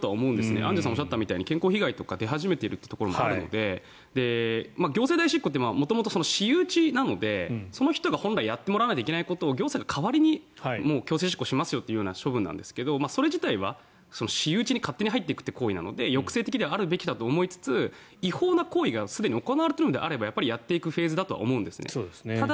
アンジュさんがおっしゃったように健康被害とかが出始めているところもあるので行政代執行って元々、私有地なのでその人が本来やってもらわなければいけないことを行政が代わりに強制執行しますよという処分なんですがそれ自体は、私有地に勝手に入っていくという行為なので抑制的であるべきだと思いつつ違法な行為がすでに行われているのであればやっていくフェーズだと思うんですね。